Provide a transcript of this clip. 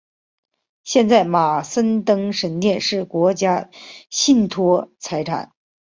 现在马森登神殿是国家信托财产。